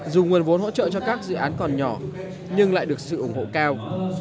dù nguồn vốn hỗ trợ cho các dự án còn nhỏ nhưng lại được sự ủng hộ cao